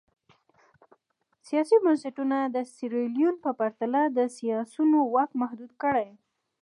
سیاسي بنسټونه د سیریلیون په پرتله د سیاسیونو واک محدود کړي.